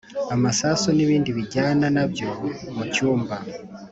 amasasu n ibindi bijyana na byo mu cyumba